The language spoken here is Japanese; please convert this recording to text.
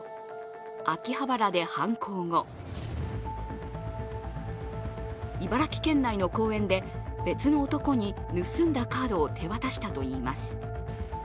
秋葉原で犯行後、茨城県内の公園で別の男に盗んだカードを手渡したといいます。